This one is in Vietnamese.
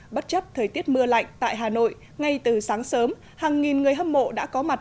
bất chấp thời tiết mưa lạnh tại hà nội ngay từ sáng sớm hàng nghìn người hâm mộ đã có mặt